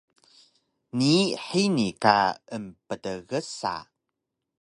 Nii hini ka emptgsa